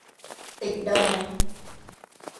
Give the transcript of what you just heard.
ติดดอย